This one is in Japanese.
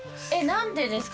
何でですか？